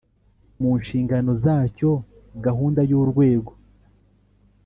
Mu nshingano zacyo gahunda y urwego